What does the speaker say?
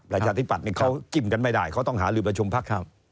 ประชาธิบัติเขากินกันไม่ได้เขาต้องหาหลือประชุมพัก